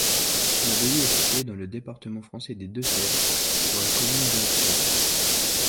L'abbaye est située dans le département français des Deux-Sèvres, sur la commune d'Airvault.